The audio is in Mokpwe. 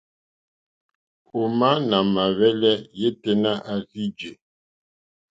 Òmá nà mà hwɛ́lɛ́ yêténá à rzí jè.